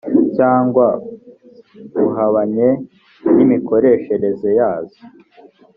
cyangwa buhabanye n imikoreshereze yazo